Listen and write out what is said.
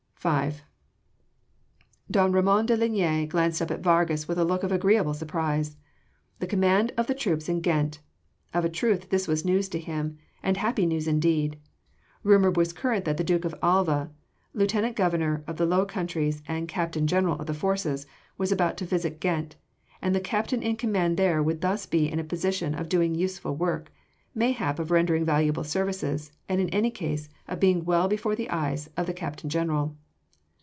V Don Ramon de Linea glanced up at de Vargas with a look of agreeable surprise. The command of the troops in Ghent! Of a truth this was news to him, and happy news indeed. Rumour was current that the Duke of Alva Lieutenant Governor of the Low Countries and Captain General of the forces was about to visit Ghent, and the captain in command there would thus be in a position of doing useful work, mayhap of rendering valuable services, and in any case, of being well before the eyes of the Captain General.